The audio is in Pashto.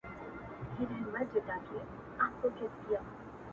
نه اسمان نه مځکه وینم خړي دوړي پورته کېږي!!